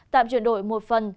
tạm chuyển đổi một phần